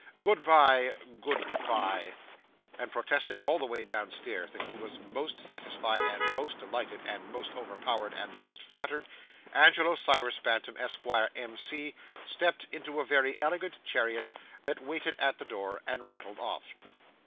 Good bye, good bye!' and protesting all the way downstairs that he was most satisfied, and most delighted, and most overpowered, and most flattered, Angelo Cyrus Bantam, Esquire, M.C., stepped into a very elegant chariot that waited at the door, and rattled off.